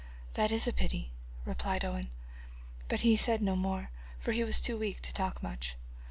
'That is a pity,' replied Owen, but he said no more, for he was too weak to talk much.